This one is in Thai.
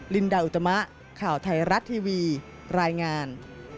ลินดาอุตมะข่าวไทยรัฐทีวีรายงาน